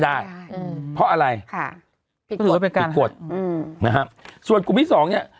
ได้เพราะอะไรค่ะผิดกฎผิดกฎอืมนะฮะส่วนกลุ่มที่สองเนี้ย